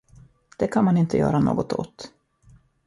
Det kan man inte göra något åt!